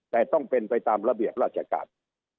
แต่ต้องเป็นไปตามระเบียบราชการ